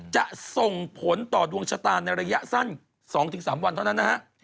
จะส่งผลต่อดวงชะตาในระยะสั้น๒๓วันเท่านั้นนะฮะ